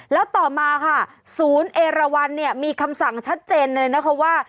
แล้วต่อมาค่ะศูนย์เอราวันเนี่ยมีคำสั่งชัดเจนเลยนะคะว่า